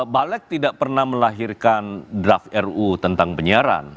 balik tidak pernah melahirkan draft ruu tentang penyiaran